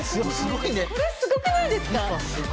これすごくないですか？